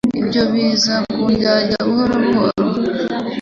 ibyo biza kundwanya buhoro buhoro